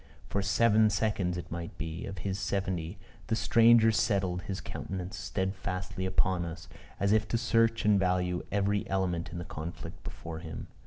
For seven seconds, it might be, of his seventy, the stranger settled his countenance steadfastly upon us, as if to search and value every element in the conflict before him.